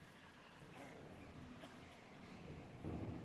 মা, আমার ভয় করছে।